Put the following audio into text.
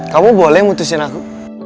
kamu boleh mutusin aku